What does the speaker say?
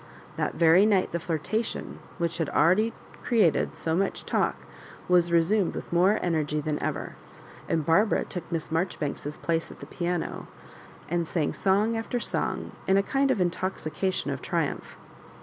That very night the flirtation, which had already created so much talk, was resumed with more energy than ever ; and Barbara took Miss Mar joribanks^s place at the piano, and sang song after song in a kind of intoxication of triumph.